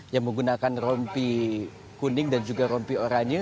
yang menggunakan rompi kuning dan juga rompi oranye